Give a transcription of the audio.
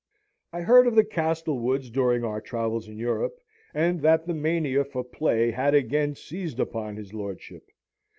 I heard of the Castlewoods during our travels in Europe, and that the mania for play had again seized upon his lordship.